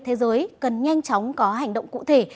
thế giới cần nhanh chóng có hành động cụ thể